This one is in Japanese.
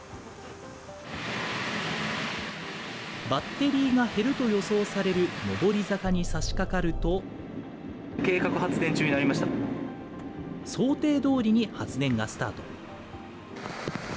バッテリーが減ると予想される上り坂にさしかかると。想定どおりに発電がスタート。